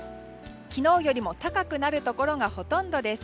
昨日よりも高くなるところがほとんどです。